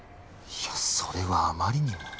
いやそれはあまりにも。